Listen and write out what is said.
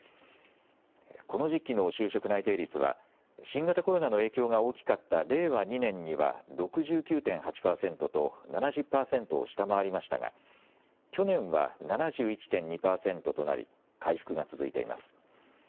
この時期の就職内定率は新型コロナの影響が大きかった令和２年には６９．８％と７０％を下回りましたが去年は７１．２％となり回復が続いています。